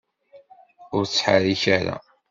Ur ttḥerrik ara!